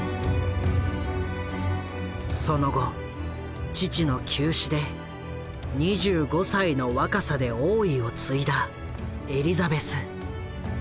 その後父の急死で２５歳の若さで王位を継いだエリザベス。